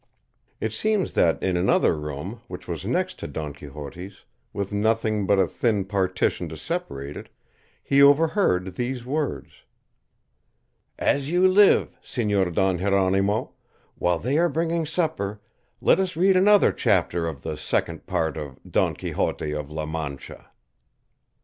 It seems that in another room, which was next to Don Quixote's, with nothing but a thin partition to separate it, he overheard these words, "As you live, Señor Don Jeronimo, while they are bringing supper, let us read another chapter of the Second Part of 'Don Quixote of La Mancha.